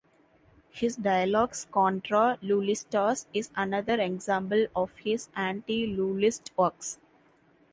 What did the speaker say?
His "Dialogus contra Lullistas" is another example of his anti-Lullist works.